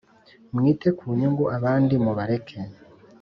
mwite ku nyungu abandi mubareke